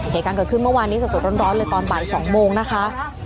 เหตุการณ์เกิดขึ้นเมื่อวานนี้สดร้อนเลยตอนบ่าย๒โมงนะคะ